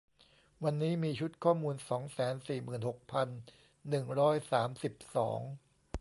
วันนี้มีชุดข้อมูล สองแสนสี่หมื่นหกพันหนึ่งร้อยสามสิบสอง